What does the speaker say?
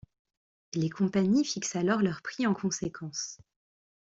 Les compagnies fixent alors leur prix en conséquence.